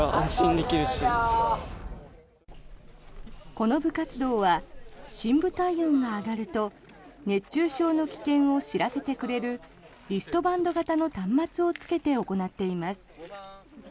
この部活動は深部体温が上がると熱中症の危険を知らせてくれるリストバンド型の端末を着けて行っています。